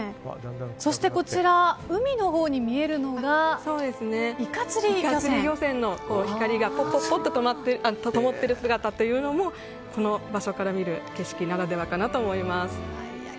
そして、海のほうに見えるのがイカ釣り漁船の光がポッポッポとともってる姿というのもこの場所から見る姿ならではかなと思います。